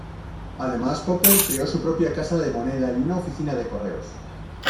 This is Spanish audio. Además Popper creó su propia Casa de Moneda y una oficina de correos.